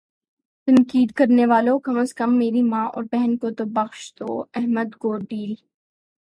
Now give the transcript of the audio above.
تنقید کرنے والو کم از کم میری ماں اور بہن کو بخش دو احمد گوڈیل